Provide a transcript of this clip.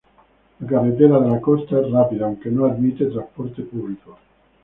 La carretera de la costa es rápida, aunque no admite transporte público.